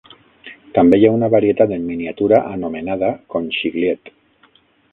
També hi ha una varietat en miniatura anomenada "conchigliette".